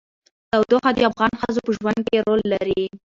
تودوخه د افغان ښځو په ژوند کې رول لري.